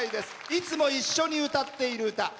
いつも一緒に歌っている歌。